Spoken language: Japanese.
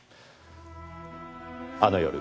あの夜。